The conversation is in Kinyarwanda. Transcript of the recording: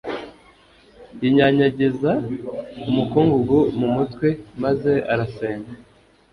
yinyanyagiza umukungugu mu mutwe, maze arasenga